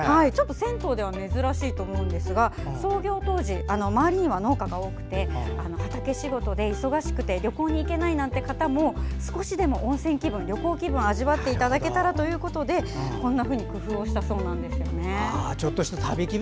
銭湯では珍しいと思うんですが創業当時、周りには農家が多くて畑仕事で忙しくて旅行にいけない方も少しでも温泉気分、旅行気分を味わっていただけたらということでこんなふうに工夫したそうです。